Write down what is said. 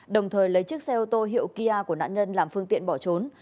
đồng thời lấy chiếc xe ô tô hiệu kia của nạn nhân làm phương tiện bỏ trốn